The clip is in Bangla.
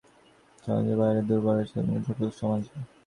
সবল ও শক্তিমানগণ চলে গেল সমাজের বাইরে, আর দুর্বলের সংখ্যাধিক্য ঘটল সমাজে।